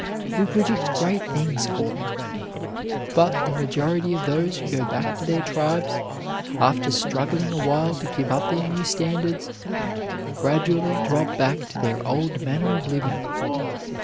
We predict great things for them; but the majority of those who go back to their tribes, after struggling awhile to keep up their new standards, gradually drop back to their old manner of living.